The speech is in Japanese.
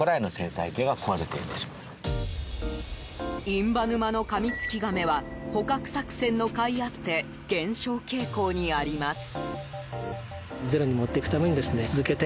印旛沼のカミツキガメは捕獲作戦のかいあって減少傾向にあります。